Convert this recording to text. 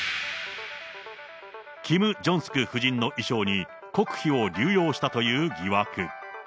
キム・ジョンスク夫人の衣装に国費を流用したという疑惑。